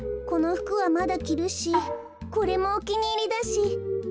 このふくはまだきるしこれもおきにいりだし。